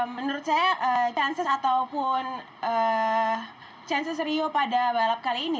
menurut saya chances rio pada balap kali ini